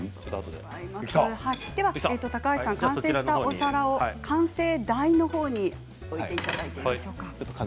高橋さん、完成したお皿を完成台に載せていただいていいでしょうか。